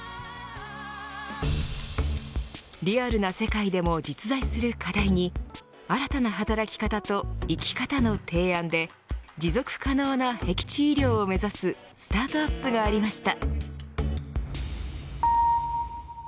リアルな世界でも実在する課題に新たな働き方と生き方の提案で持続可能なへき地医療を目指すスタートアップがありました。